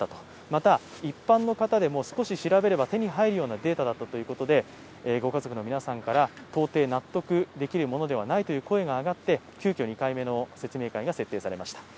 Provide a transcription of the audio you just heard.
また、一般の方でも少し調べれば手に入るデータだったということでご家族の皆さんから到底納得できるものではないという声が上がって急きょ２回目の説明会が設定されました。